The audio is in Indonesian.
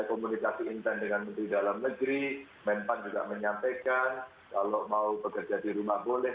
saya komunikasi intern dengan menteri dalam negeri menteri pertama juga menyampaikan kalau mau bekerja di rumah boleh